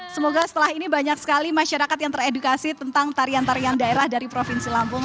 semoga setelah ini banyak sekali masyarakat yang teredukasi tentang tarian tarian daerah dari provinsi lampung